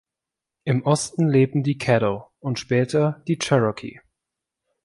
Im Osten lebten die Caddo und später die Cherokee.